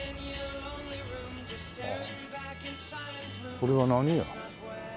これは何屋？